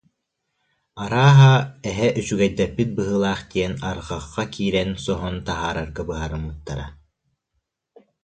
Арааһа, эһэ үчүгэйдэппит быһыылаах диэн арҕахха киирэн соһон таһаарарга быһаарыммыттара